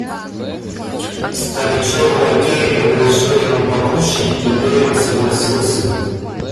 Старичок-лакей предложил ему покушать, и Левин согласился.